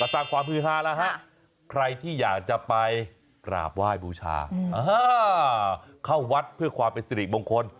ตามความพื้นฮาละใครที่อยากจะไปกลาบว่ายบูชาเข้าวัดเพื่อความเป็นสิลิคบงคล